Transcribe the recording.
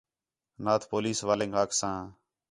نات پولیس والینک آکھساں